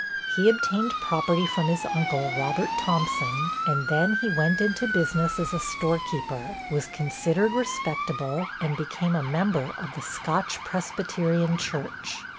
He obtained property from his uncle, Robert Thompson, and then he went into business as a store keeper, was considered respectable, and became a member of the Scotch Presbyterian Church.